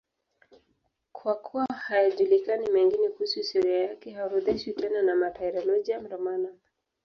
Kwa kuwa hayajulikani mengine kuhusu historia yake, haorodheshwi tena na Martyrologium Romanum.